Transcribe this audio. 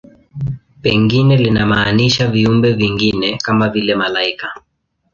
Pengine linamaanisha viumbe vingine, kama vile malaika.